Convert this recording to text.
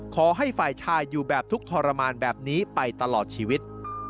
ขอให้ฝ่ายชายอยู่แบบทุกข์ทรมานแบบนี้ไปตลอดชีวิต